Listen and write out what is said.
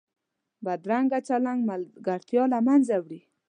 بدرنګه چلند ملګرتیا له منځه وړي